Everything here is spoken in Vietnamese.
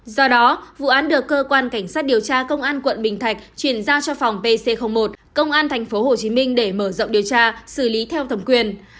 do đó vụ án được cơ quan cảnh sát điều tra công an quận bình thạnh chuyển giao cho phòng pc một công an tp hcm để mở rộng điều tra xử lý theo thẩm quyền